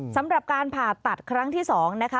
สำหรับการผ่าตัดครั้งที่๒นะคะ